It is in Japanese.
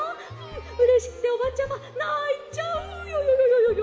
うれしくておばちゃまないちゃうヨヨヨヨヨ！」。